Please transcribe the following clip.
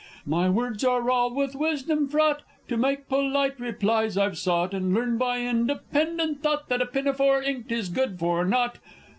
_ My words are all with wisdom fraught, To make polite replies I've sought; And learned by independent thought, That a pinafore, inked, is good for nought.